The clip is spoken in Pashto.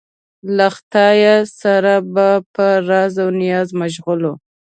له خدایه سره به په راز و نیاز مشغول و.